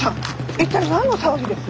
一体何の騒ぎです？